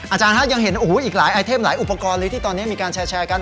อาจารย์ฮะยังเห็นโอ้โหอีกหลายไอเทมหลายอุปกรณ์เลยที่ตอนนี้มีการแชร์กัน